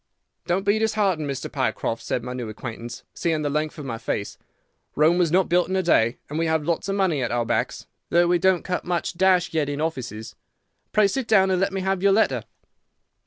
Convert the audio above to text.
"'Don't be disheartened, Mr. Pycroft,' said my new acquaintance, seeing the length of my face. 'Rome was not built in a day, and we have lots of money at our backs, though we don't cut much dash yet in offices. Pray sit down, and let me have your letter.